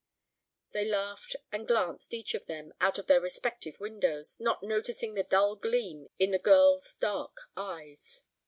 They laughed and glanced, each of them; out of their respective windows, not noticing the dull gleam in the girl's dark eyes.